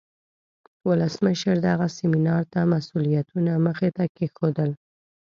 ولسمشر دغه سیمینار ته مسئولیتونه مخې ته کیښودل.